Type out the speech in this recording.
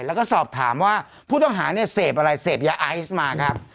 แล้วก็สอบถามว่าผู้ต้องหาเนี่ยเสพอะไรเสพยาไอซ์มาครับ